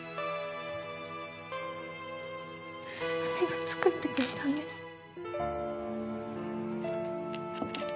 姉が作ってくれたんです。